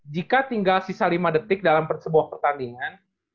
jika tinggal sisa lima detik dalam sebuah pertandingan